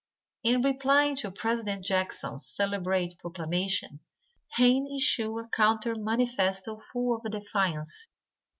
In replying to President Jackson's celebrated proclamation Hayne issued a counter manifesto full of defiance.